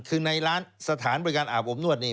คือในร้านสถานบริการอาบอบนวดนี่